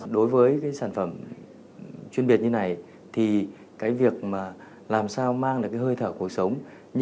đối với sản phẩm chuyên biệt như này thì cái việc mà làm sao mang được cái hơi thở cuộc sống